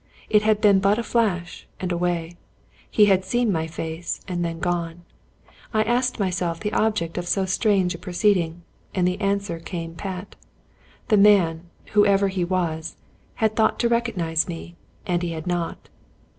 It had been but a flash, and away. He had seen my face, and then gone. I asked myself the object of so strange a proceeding, and the answer came pat. The man, whoever he was, had thought to recognize me, and he had not.